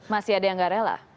masih ada yang nggak rela